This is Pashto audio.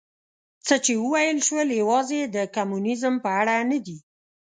څه چې وویل شول یوازې د کمونیزم په اړه نه دي.